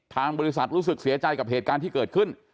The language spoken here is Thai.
ทางบริษัทรู้สึกเสียใจกับเหตุการณ์ที่เกิดขึ้น